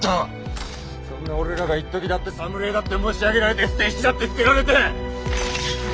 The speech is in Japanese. そんな俺らがいっときだって侍だって持ち上げられて捨て石だって捨てられて！